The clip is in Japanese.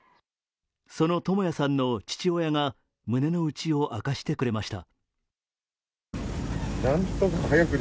その智也さんの父親が胸の内を明かしてくれました。